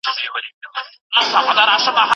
په دلایلو خبرې وکړئ.